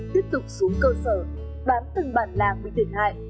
tiếp tục xuống cơ sở bám từng bản làng bị thiệt hại